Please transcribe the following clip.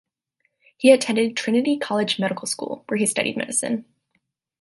He attended Trinity College Medical School, where he studied medicine.